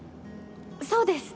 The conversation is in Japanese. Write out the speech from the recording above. そうです！